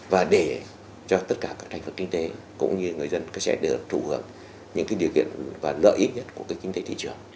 và để cho tất cả các thành phố kinh tế cũng như người dân sẽ được thủ hợp những điều kiện và lợi ích nhất của kinh tế thị trường